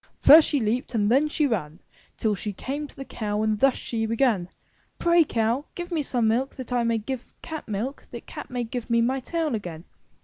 *' '"^First she leaped and then she ran Till she came to the cow and thus she began; "Pray, Cow, give me some milk that I may give cat milk, that cat may give me my tail again.''